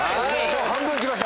半分きました。